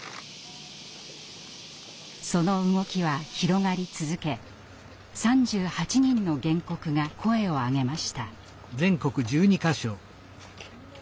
その動きは広がり続け３８人の原告が声を上げました。